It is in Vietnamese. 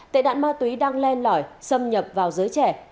tệ nạn ma túy đang len lỏi xâm nhập vào giới trẻ